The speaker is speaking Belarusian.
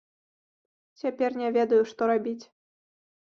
Цяпер не ведаю, што рабіць.